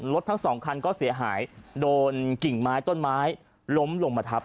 ทั้งสองคันก็เสียหายโดนกิ่งไม้ต้นไม้ล้มลงมาทับ